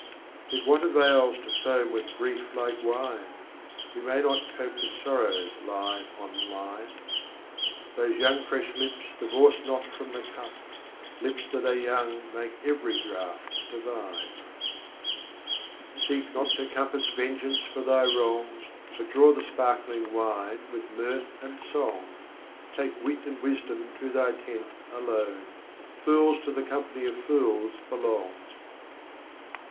39 Yet what avails to foam with grief like wine ? We may not cope with sorrows line on line. Those young fresh lips divorce not from the cup : Lips that are young make every draught divine. KUBAIYAT OF HAFIZ 49 40 Seek not to compass vengeance for thy wrong, But draw the sparkhng wine with mirth and song. Take wit and wisdom to thy tent alone ; Fools to the company of fools belong.